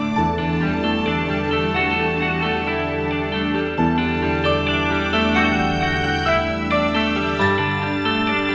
kok makeup bisa ada di acara ini